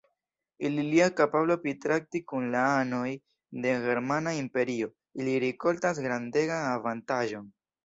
El ilia kapablo pritrakti kun la anoj de germana imperio, ili rikoltas grandegan avantaĝon.